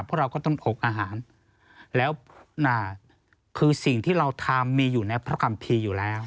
เพราะเราก็ต้องอกอาหารแล้วคือสิ่งที่เราทำมีอยู่ในพระคัมภีร์อยู่แล้ว